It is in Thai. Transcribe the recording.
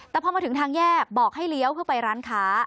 แต่พอมาถึงทางแยกบอกให้เลี้ยวเพื่อไปร้านค้า